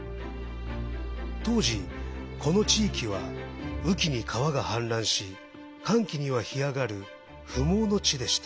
当時、この地域は雨期に川が氾濫し乾期には干上がる不毛の地でした。